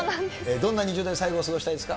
どんな２０代最後、過ごしたいですか？